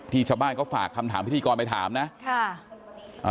ชาวบ้านเขาฝากคำถามพิธีกรไปถามนะค่ะอ่า